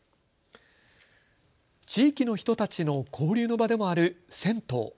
地域の人たちの交流の場でもある銭湯。